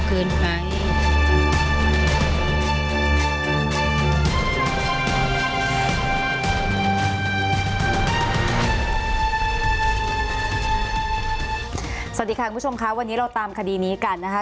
สวัสดีค่ะคุณผู้ชมค่ะวันนี้เราตามคดีนี้กันนะคะ